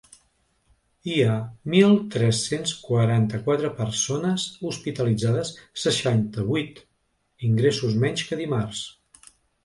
Hi ha mil tres-cents quaranta-quatre persones hospitalitzades, seixanta-vuit ingressos menys que dimarts.